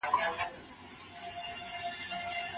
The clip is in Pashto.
له غړومبي د تندر ټوله وېرېدله